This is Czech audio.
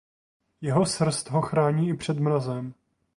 Jeho srst ho chrání i před mrazem.